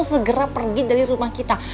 segera pergi dari rumah kita